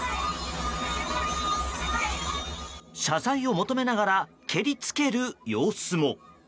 謝罪を求めながら蹴りつける様子も。